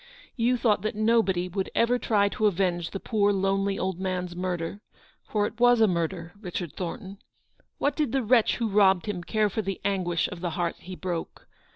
You thought that nobody would ever try to avenge the poor, lonely old man's murder — for it was a murder, Richard Thornton ! "What did the wretch who robbed him care for the anguish of the heart he broke?